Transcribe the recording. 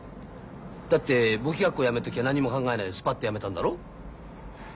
だって簿記学校やめる時は何も考えないでスパッとやめたんだろ？